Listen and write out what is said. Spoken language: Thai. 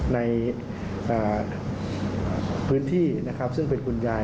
ในพื้นที่นะครับซึ่งเป็นคุณยาย